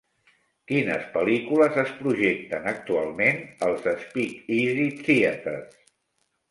Quines pel·lícules es projecten actualment als Speakeasy Theaters